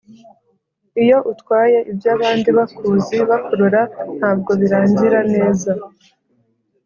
Iyo utwaye iby’abandi Bakuzi bakurora ntabwo birangira neza